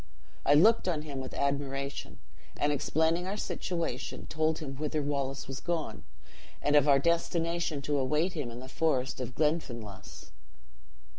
I looked on him with admiration; and explaining our situation, told him whither Wallace was gone, and of our destination to await him in the forest of Glenfinlass.